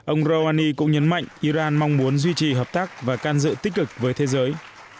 ông rouhani cũng nhấn mạnh iran mong muốn duy trì hợp tác và can dự tích cực với thế giới